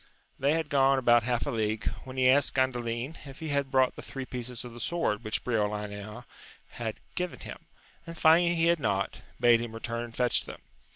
They had gone about half a league, when he asked Gandalin if he had brought the three pieces of the sword which Briolania had given him, and finding he had not, bade him return and fetch them.